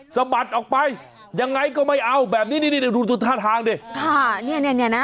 สะบัดออกไปยังไงก็ไม่เอาแบบนี้นี่ดูท่าทางดิค่ะเนี่ยนะ